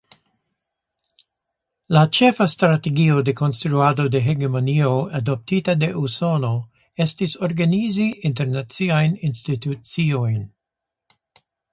La ĉefa strategio de konstruado de hegemonio adoptita de Usono estis organizi internaciajn instituciojn.